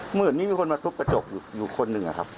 เหมือนมีคนมาทุบกระจกอยู่คนหนึ่งอะครับ